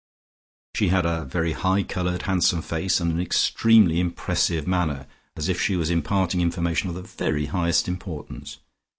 She had a very high coloured handsome face, and an extremely impressive manner, as if she was imparting information of the very highest importance.